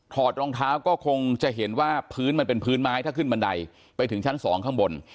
รองเท้าก็คงจะเห็นว่าพื้นมันเป็นพื้นไม้ถ้าขึ้นบันไดไปถึงชั้นสองข้างบน